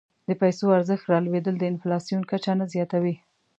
د پیسو ارزښت رالوېدل د انفلاسیون کچه نه زیاتوي.